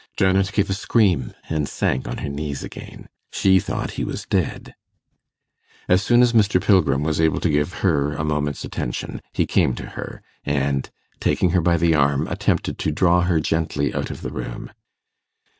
Janet gave a scream, and sank on her knees again. She thought he was dead. As soon as Mr. Pilgrim was able to give her a moment's attention, he came to her, and, taking her by the arm, attempted to draw her gently out of the room.